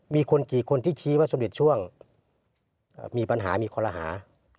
มีคนกี่คนที่ชี้ว่าสมเด็จช่วงมีปัญหามีคอลหา